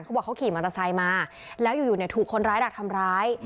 เขาบอกเขาขี่มอเตอร์ไซค์มาแล้วอยู่เนี่ยถูกคนร้ายดักทำร้าย